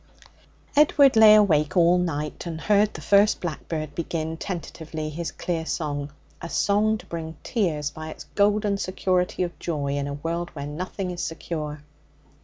Edward lay awake all night, and heard the first blackbird begin, tentatively, his clear song a song to bring tears by its golden security of joy in a world where nothing is secure.